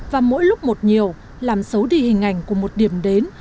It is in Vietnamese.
và mỗi lúc một nhiều làm xấu đi hình ảnh của một điểm đến